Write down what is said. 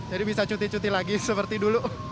jadi bisa cuti cuti lagi seperti dulu